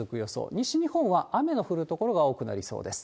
西日本は雨の降る所が多くなりそうです。